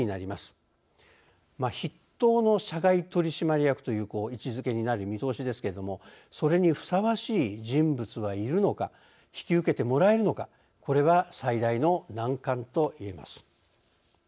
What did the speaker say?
筆頭の社外取締役という位置づけになる見通しですけれどもそれにふさわしい人物はいるのか引き受けてもらえるのかこれは最大の難関といえます。